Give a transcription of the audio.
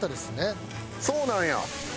そうなんや？